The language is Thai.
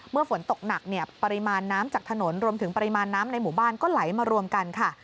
ฝนตกหนักเนี่ยปริมาณน้ำจากถนนรวมถึงปริมาณน้ำในหมู่บ้านก็ไหลมารวมกันค่ะ